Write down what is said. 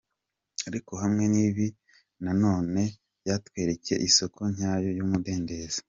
Ariko hamwe n’ibi na none batwereka isōko nyayo y’umudendezo:.